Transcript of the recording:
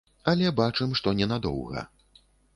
Але бачым, што ненадоўга.